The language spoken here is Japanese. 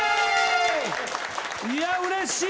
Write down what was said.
いやうれしい！